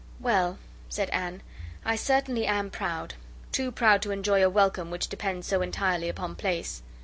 "Well," said Anne, "I certainly am proud, too proud to enjoy a welcome which depends so entirely upon place."